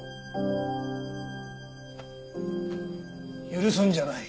許すんじゃない。